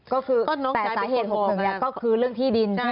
ก็คือแต่สาเหตุ๖๑ก็คือเรื่องที่ดิน